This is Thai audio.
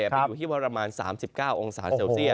ไปอยู่ที่ประมาณ๓๙องศาเซลเซียต